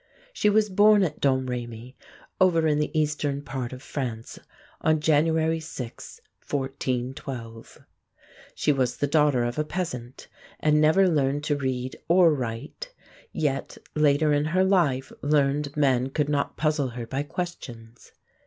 She was born at Domrémy, over in the eastern part of France, on January 6, 1412. She was the daughter of a peasant, and never learned to read or write; yet later in her life learned men could not puzzle her by questions.